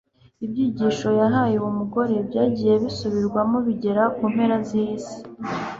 Ibyigisho yahaye uwo mugore, byagiye bisubirwamo bigera ku mpera z'isi.